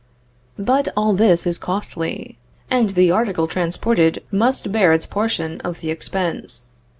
But all this is costly, and the article transported must bear its portion of the expense.